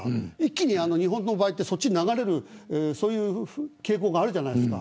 日本の場合は一気にそっちに流れる傾向があるじゃないですか。